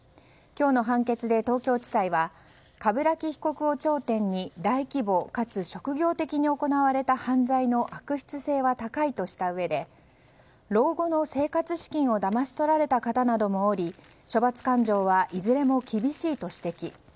今日の判決で東京地裁は鏑木被告を頂点に大規模かつ職業的に行われた犯罪の悪質性は高いとしたうえで老後の生活資金をだまし取られた方などもおり処罰感情はいずれも厳しいと指摘。